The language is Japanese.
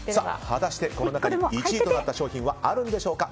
果たして、この中に１位となった商品はあるんでしょうか。